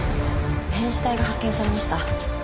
「変死体が発見されました」